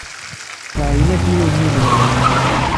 Tɛeyyen-as i yiwen n unelmad.